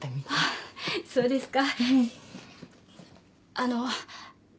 あの。